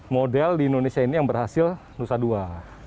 model di indonesia ini yang berhasil nusa dua